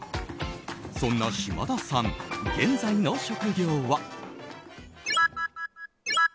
そんな島田さん、現在の職業は。